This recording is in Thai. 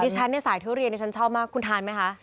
ดิฉันในสายทุเรียนฉันชอบมากคุณทานไหมคะ